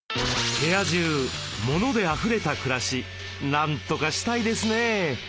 部屋中モノであふれた暮らしなんとかしたいですね。